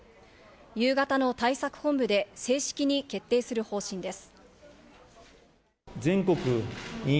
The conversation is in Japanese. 夕方の対策本部で正式に決定する方針です。